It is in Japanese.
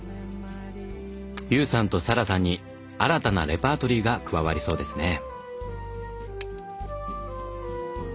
悠さんと咲来さんに新たなレパートリーが加わりそうですね。